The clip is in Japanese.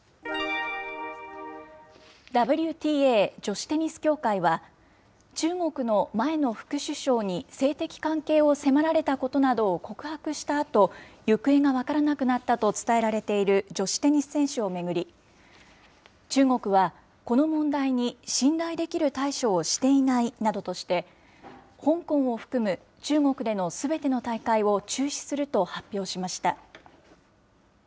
ＷＴＡ・女子テニス協会は、中国の前の副首相に性的関係を迫られたことなどを告白したあと、行方が分からなくなったと伝えられている女子テニス選手を巡り、中国は、この問題に信頼できる対処をしていないなどとして、香港を含む中国でのすべての大会を中止すると発表しました。